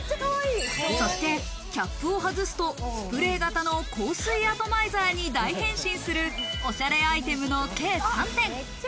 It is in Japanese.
そしてキャップを外すと、スプレー型の香水アトマイザーに大変身するおしゃれアイテムの計３点。